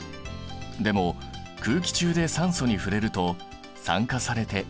でも空気中で酸素に触れると酸化されて色が変わっていく。